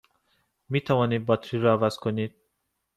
می توانید باتری را عوض کنید؟